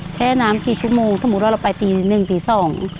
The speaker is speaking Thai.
แช่น้ำกี่ชั่วโมงสมมุติว่าเราไปตีหนึ่งตีสอง